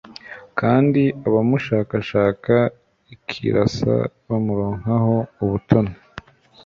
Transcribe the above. kandi abamushakashaka rikirasa, bamuronkaho ubutoni